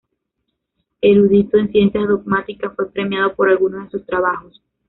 Erudito en ciencias dogmáticas, fue premiado por algunos de sus trabajos.